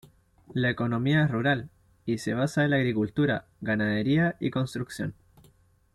La economía es rural, y se basa en la agricultura, ganadería y construcción.